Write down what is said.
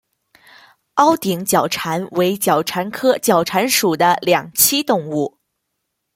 凹顶角蟾为角蟾科角蟾属的两栖动物。